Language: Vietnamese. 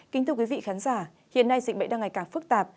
kính thưa quý vị khán giả hiện nay dịch bệnh đang ngày càng phức tạp